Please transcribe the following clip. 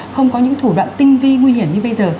không có những thủ đoạn tinh vi nguy hiểm như bây giờ